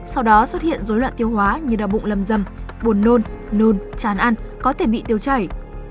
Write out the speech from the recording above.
sau đó xuất hiện dối loạn tiêu hóa như đau bụng lầm dầm buồn nôn nôn chán ăn có thể bị tiêu chảy